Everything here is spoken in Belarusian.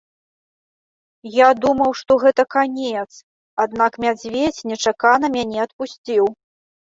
Я думаў, што гэта канец, аднак мядзведзь нечакана мяне адпусціў.